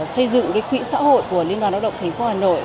xây dựng cái quỹ xã hội của liên toàn lao động thành phố hà nội